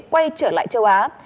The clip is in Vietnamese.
quay trở lại châu á